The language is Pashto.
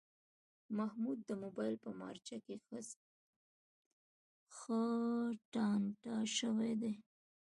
محمود د مبایل په مارچه کې ښه ټانټه شوی دی.